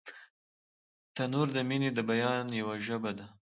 تنور د مینې د بیان یوه ژبه ده